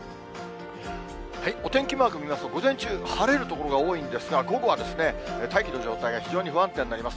お天気マーク見ますと、午前中、晴れる所が多いんですが、午後は大気の状態が非常に不安定になります。